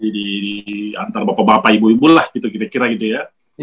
di antar bapak bapak ibu ibu lah gitu kita kira gitu ya